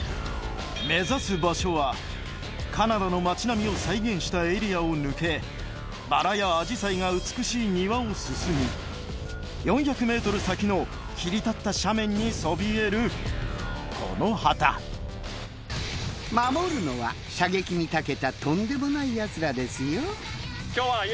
目指す場所はカナダの街並みを再現したエリアを抜けバラやアジサイが美しい庭を進み４００ｍ先の切り立った斜面にそびえるこの旗守るのは射撃に長けたとんでもないヤツらですよ。